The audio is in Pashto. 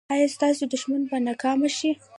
ایا ستاسو دښمن به ناکام شي؟